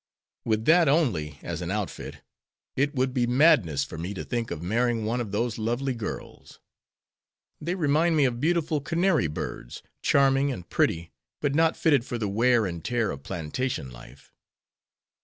With that only as an outfit, it would be madness for me to think of marrying one of those lovely girls. They remind me of beautiful canary birds, charming and pretty, but not fitted for the wear and tear of plantation life.